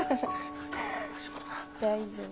大丈夫。